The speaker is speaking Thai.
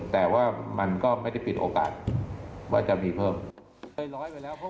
ตัวละครใหม่ใหม่พูดไปก็จะเป็นคำถามต่อไปนะ